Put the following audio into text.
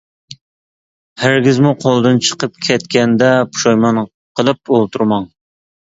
ھەرگىزمۇ قولدىن چىقىپ كەتكەندە پۇشايمان قىلىپ ئولتۇرماڭ!